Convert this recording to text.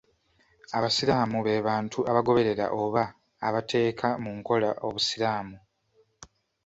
Abasiraamu be bantu abagoberera oba abateeka mu nkola obusiraamu.